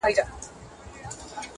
نوی هويت او نوې مانا توليد کېږي